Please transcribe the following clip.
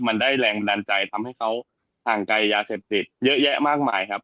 มันได้แรงบันดาลใจทำให้เขาห่างไกลยาเสพติดเยอะแยะมากมายครับ